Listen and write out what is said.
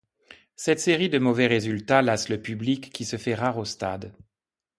Cette série de mauvais résultats lasse le public qui se fait rare au stade.